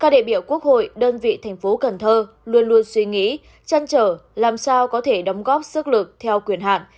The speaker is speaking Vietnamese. thành phố cần thơ luôn luôn suy nghĩ chăn trở làm sao có thể đóng góp sức lực theo quyền hạn